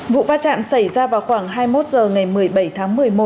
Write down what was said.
vụ phá trạm xảy ra vào khoảng hai mươi một h ngày một mươi bảy tháng một mươi một